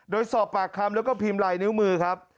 โดยสอบปากคำแล้วก็พิมพ์ลายนิ้วมือครับ